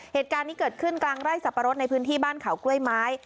เหตุการณ์นี้เกิดขึ้นกลางไร่สับปะรดในพื้นที่บ้านเขากล้วยไม้